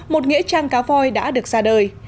một nghĩa trang cá voi đã được ra đời